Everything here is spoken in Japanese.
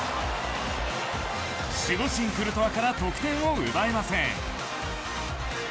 守護神クルトワから得点を奪えません。